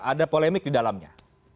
ada polemik di dalamnya